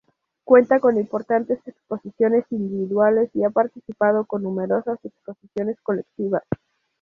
Cuenta con importantes exposiciones individuales y ha participado en numerosas exposiciones colectivas.